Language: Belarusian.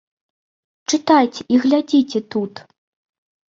Чытайце і глядзіце тут!